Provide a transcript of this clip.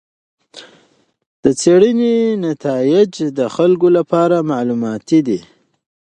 د څېړنې نتایج د خلکو لپاره معلوماتي دي.